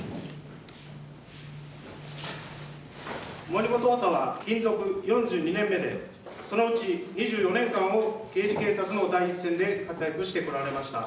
森本補佐は勤続４２年目でそのうち２４年間を刑事警察の第一線で活躍してこられました。